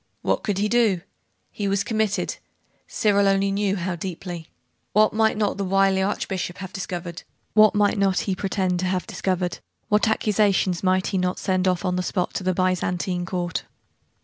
What could he do? He was committed Cyril only knew how deeply. What might not the wily archbishop have discovered? What might not he pretend to have discovered? What accusations might he not send off on the spot to the Byzantine Court?